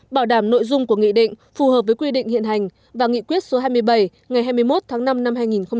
bảo đảm nội dung của nghị định phù hợp với quy định hiện hành và nghị quyết số hai mươi bảy ngày hai mươi một tháng năm năm hai nghìn một mươi chín